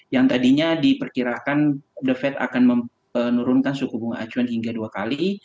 yang tadinya diperkirakan the fed akan menurunkan suku bunga acuan hingga dua kali